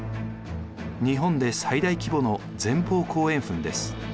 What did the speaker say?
日本で最大規模の前方後円墳です。